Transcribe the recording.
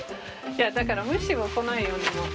いやだから虫も来ないようにもあるんかな。